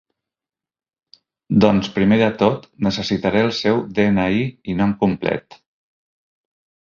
Doncs primer de tot, necessitaré el seu de-ena-i i nom complet.